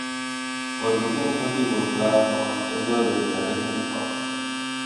O epicentro tivo lugar no concello de Vilariño de Conso.